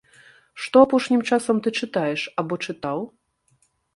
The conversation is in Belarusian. Што апошнім часам ты чытаеш або чытаў?